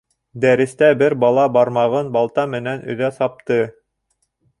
Дәрестә бер бала бармағын балта менән өҙә сапты.